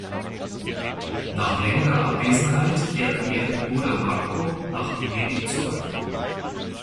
Nach längerer Abwesenheit kehrt deren Bruder Marco nach Venedig zurück.